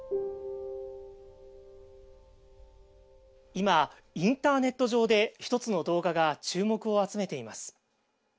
今インターネット上で一つの動画が注目を集めています。